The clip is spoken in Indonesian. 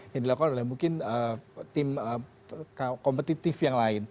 yang dilakukan oleh mungkin tim kompetitif yang lain